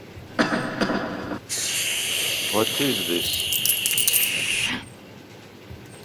Dillon and his wife, Desiree, have three daughters: Cameron, Carly, and Deavan.